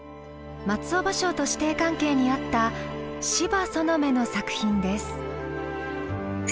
松尾芭蕉と師弟関係にあった斯波園女の作品です。